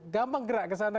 gampang gerak kesana